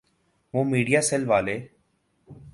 وہ میڈیاسیل والے؟